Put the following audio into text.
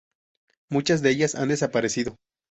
Muchas de ellas han desaparecido.